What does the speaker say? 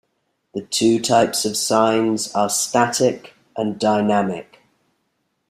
The two types of signs are static and dynamic.